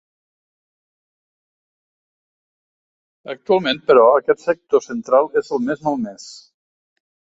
Actualment, però, aquest sector central és el més malmès.